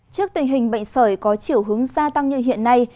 trước tình hình bệnh sởi có chiều hướng gia tăng như hiện nay